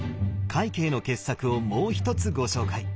快慶の傑作をもうひとつご紹介！